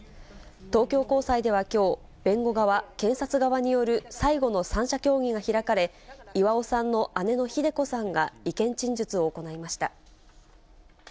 東京高裁ではきょう、弁護側、検察側による最後の三者協議が開かれ、巌さんの姉の秀子さんが意見陳述を行いました。